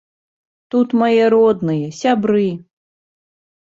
Тут мае родныя, сябры.